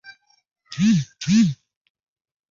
东布朗人口变化图示